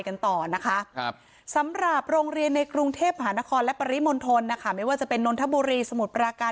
กันต่อสำหรับโรงเรียนในกรุงเทพหานครปริมนฑนจุดมีนวลนตบูรีสมุทรปราการ